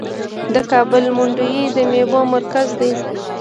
د کابل منډوي د میوو مرکز دی.